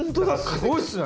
すごいっすね。